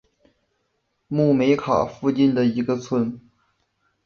穆梅卡附近的一个村。